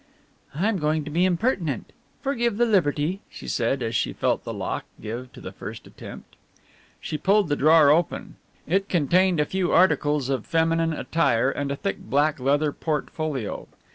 "I am going to be impertinent. Forgive the liberty," she said, as she felt the lock give to the first attempt. She pulled the drawer open. It contained a few articles of feminine attire and a thick black leather portfolio.